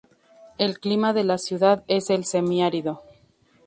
El clima de la ciudad es el Semiárido.